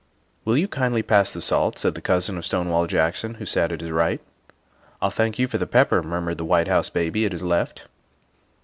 " Will you kindly pass the salt?" said the cousin of Stonewall Jackson, who sat at his right. " I'll thank you for the pepper," murmured the White House Baby at his left.